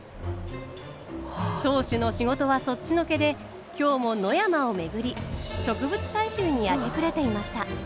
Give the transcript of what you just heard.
当主の仕事はそっちのけで今日も野山を巡り植物採集に明け暮れていました。